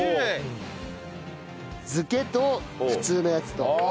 漬けと普通のやつと。